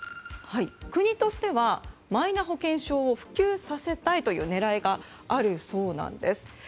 国としてはマイナ保険証を普及させたいという狙いがあるそうなんです。